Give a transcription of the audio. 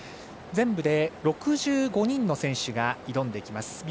全部で６５人の選手が挑んでいきます。